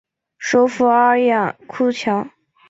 首府阿亚库乔。